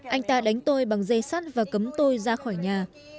anh ta đánh tôi bằng dây sắt và cấm tôi ra khỏi nhà